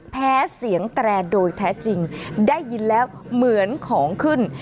แพ้เสียงแตรโดยแท้จริงได้ยินแล้วเหมือนของขึ้น